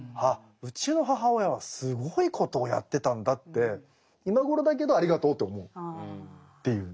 うちの母親はすごいことをやってたんだって今頃だけどありがとうと思うっていう。